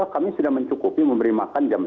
kami sudah mencukupi memberi makan jam